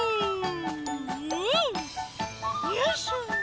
う！よいしょ。